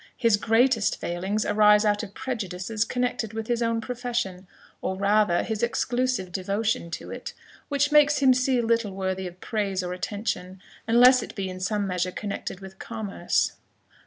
His greatest failings arise out of prejudices connected with his own profession, or rather his exclusive devotion to it, which makes him see little worthy of praise or attention, unless it be in some measure connected with commerce."